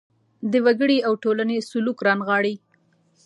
د وګړي او ټولنې سلوک رانغاړي.